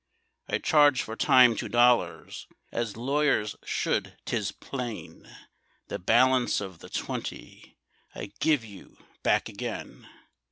I charge for time two dollars, As lawyers should, 'tis plain; The balance of the twenty I give you back again.